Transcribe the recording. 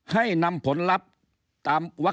๒ให้นำผลลัพธ์